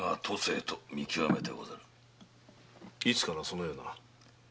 いつからそのような？